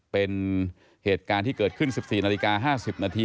เป็นเหตุการณ์ที่เกิดขึ้น๑๔นาฬิกา๕๐นาที